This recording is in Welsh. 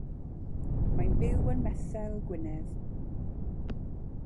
Mae'n byw ym Methel, Gwynedd.